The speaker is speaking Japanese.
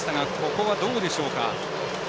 ここはどうでしょうか。